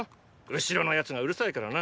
後ろの奴がうるさいからな。